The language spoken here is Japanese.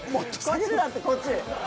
こっちだってこっち。